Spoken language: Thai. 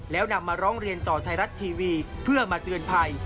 แล้วนำมาร้องเรียนต่อไทยรัฐทีวีเพื่อมาเตือนภัย